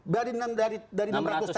dari enam ratus tps